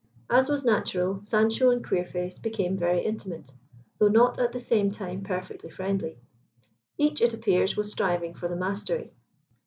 As was natural, Sancho and Queerface became very intimate, though not at the same time perfectly friendly. Each, it appeared, was striving for the mastery.